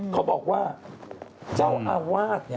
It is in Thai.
เขาบอกว่าเจ้าอาวาส